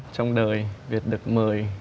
trong đời việt được mời